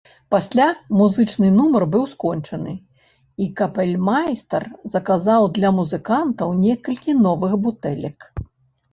Пасля музычны нумар быў скончаны, і капельмайстар заказаў для музыкантаў некалькі новых бутэлек.